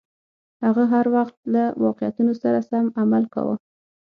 هغه هر وخت له واقعیتونو سره سم عمل کاوه.